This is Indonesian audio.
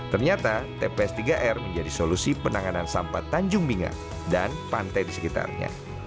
ternyata tps tiga r menjadi solusi penanganan sampah tanjung binga dan pantai di sekitarnya